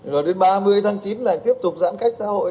rồi đến ba mươi tháng chín lại tiếp tục giãn cách xã hội